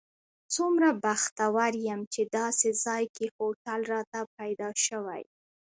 څومره بختور یم چې داسې ځای کې هوټل راته پیدا شوی.